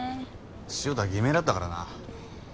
潮田は偽名だったからな。